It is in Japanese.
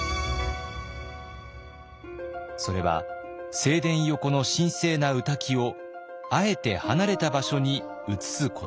それは正殿横の神聖な御嶽をあえて離れた場所に移すことでした。